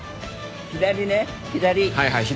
左ね左。